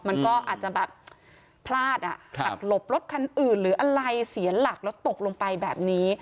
มันก็อาจจะแบบพลาดอ่ะหักหลบรถคันอื่นหรืออะไรเสียหลักแล้วตกลงไปแบบนี้